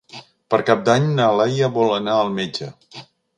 Per Cap d'Any na Laia vol anar al metge.